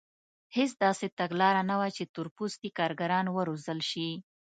هېڅ داسې تګلاره نه وه چې تور پوستي کارګران وروزل شي.